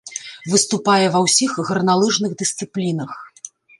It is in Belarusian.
Выступае ва ўсіх гарналыжных дысцыплінах.